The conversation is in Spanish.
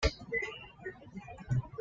El show ha recibido críticas "aceptables".